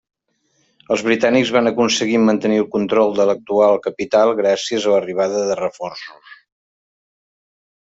Els britànics van aconseguir mantenir el control de l'actual capital gràcies a l'arribada de reforços.